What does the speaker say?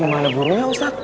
gimana burungnya ustad